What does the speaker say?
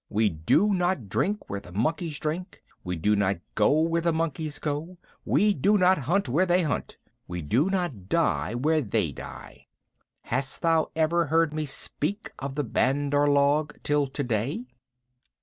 We do not drink where the monkeys drink; we do not go where the monkeys go; we do not hunt where they hunt; we do not die where they die. Hast thou ever heard me speak of the Bandar log till today?"